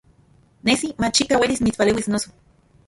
Nesi machikaj uelis mitspaleuis, noso.